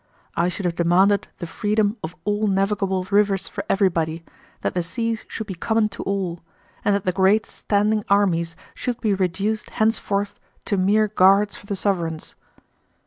I should have demanded the freedom of all navigable rivers for everybody, that the seas should be common to all, and that the great standing armies should be reduced henceforth to mere guards for the sovereigns.